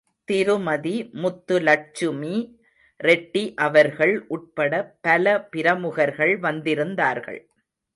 திருமதி முத்துலட்சுமி ரெட்டி அவர்கள் உட்பட பல பிரமுகர்கள் வந்திருந்தார்கள்.